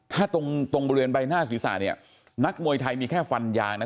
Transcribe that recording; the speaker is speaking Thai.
ถ้าตรงตรงบริเวณใบหน้าศีรษะเนี่ยนักมวยไทยมีแค่ฟันยางนะ